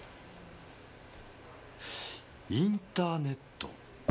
インターネット。